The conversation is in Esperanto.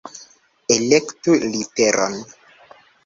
Elektu literon!